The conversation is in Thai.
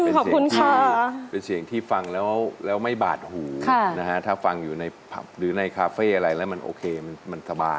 เป็นเสียงเป็นเสียงที่ฟังแล้วไม่บาดหูนะฮะถ้าฟังอยู่ในผับหรือในคาเฟ่อะไรแล้วมันโอเคมันสบาย